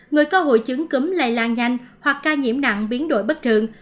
người có hội chứng cứ lây lan nhanh hoặc ca nhiễm nặng biến đổi bất thường